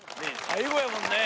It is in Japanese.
最後やもんね